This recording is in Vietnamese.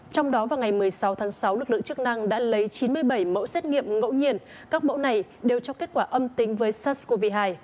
trong đó vào ngày một mươi sáu tháng sáu lực lượng chức năng đã lấy chín mươi bảy mẫu xét nghiệm ngẫu nhiên các mẫu này đều cho kết quả âm tính với sars cov hai